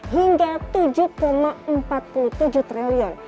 hingga tujuh empat puluh tujuh triliun